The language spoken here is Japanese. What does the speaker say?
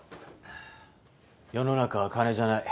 「世の中は金じゃない。